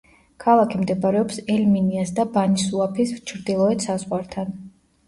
ქალაქი მდებარეობს ელ-მინიას და ბანი-სუაფის ჩრდილოეთ საზღვართან.